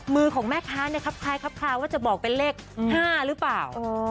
มือของแม่ค้าเนี่ยครับคล้ายครับคลาว่าจะบอกเป็นเลข๕หรือเปล่า